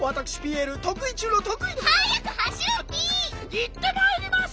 いってまいります！